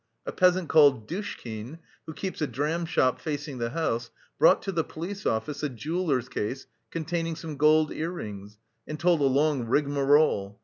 A peasant called Dushkin, who keeps a dram shop facing the house, brought to the police office a jeweller's case containing some gold ear rings, and told a long rigamarole.